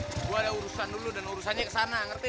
gue ada urusan dulu dan urusannya ke sana